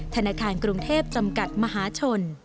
ธนาคารกรุงเทพจำกัดมหาชน